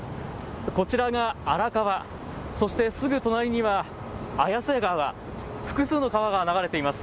こちらが荒川、そして、すぐ隣には綾瀬川、複数の川が流れています。